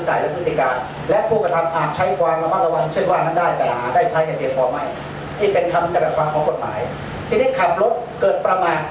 สารมันยังมีอีกในเมืองให้ก่อนครับ